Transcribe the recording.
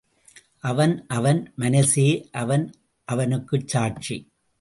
அவன் அவன் மனசே அவன் அவனுக்குச் சாட்சி.